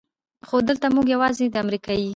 خو دلته مونږ يواځې د امريکې